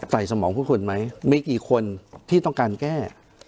ใส่สมองพวกคุณไหมไม่กี่คนที่ต้องการแก้